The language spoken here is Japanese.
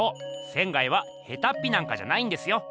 仙はヘタッピなんかじゃないんですよ。